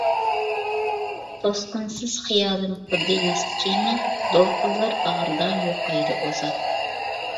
توسقۇنسىز خىيالىم خۇددى مەست كېمە، دولقۇنلار باغرىدا يوقايدۇ ئۇزاپ.